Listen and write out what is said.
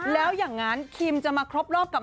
แล้วคิมจะมาครบรอบกับ